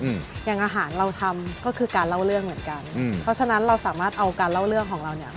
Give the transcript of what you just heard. อย่างอาหารเราทำก็คือการเล่าเรื่องเหมือนกันอืมเพราะฉะนั้นเราสามารถเอาการเล่าเรื่องของเราเนี้ย